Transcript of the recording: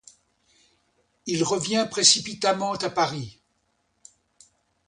Il revient précipitamment à Paris.